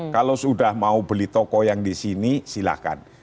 kalau sudah mau beli toko yang disini silahkan